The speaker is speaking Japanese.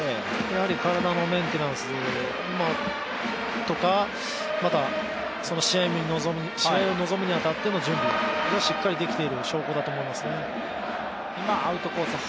体のメンテナンスとか、試合に臨むに当たっての準備がしっかりできている証拠だと思いますね。